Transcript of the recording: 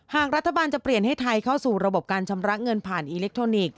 หากรัฐบาลจะเปลี่ยนให้ไทยเข้าสู่ระบบการชำระเงินผ่านอิเล็กทรอนิกส